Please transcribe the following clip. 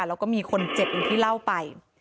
แล้วก็มีคนเจ็บอย่างที่เล่าไป